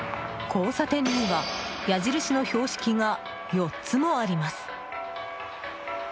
交差点には矢印の標識が４つもあります。